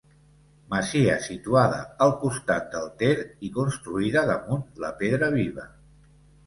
Masia situada al costat del Ter i construïda damunt la pedra viva.